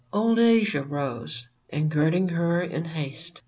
Old Asia rose, and, girding her in haste.